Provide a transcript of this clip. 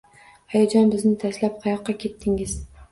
Ayajon, bizni tashlab qayoqqa ketdingiz?!